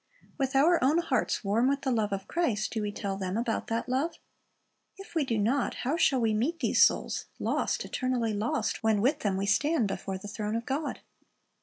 With our own hearts warm with the love of Christ, do we tell them about that love? If we do not, how shall we meet these souls, — lost, eternally lost, — when with them we stand before the throne of God?